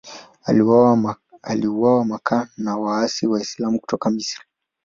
Aliuawa Makka na waasi Waislamu kutoka Misri.